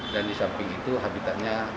dan disamping itu habitatnya